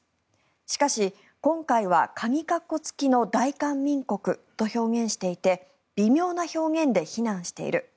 しかし、今回はかぎ括弧付きの大韓民国と表現していて微妙な表現で非難している。